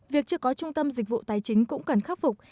việc chưa có trung tâm dịch vụ tài chính cũng cần khắc phục